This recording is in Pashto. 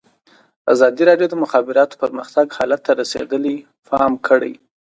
ازادي راډیو د د مخابراتو پرمختګ حالت ته رسېدلي پام کړی.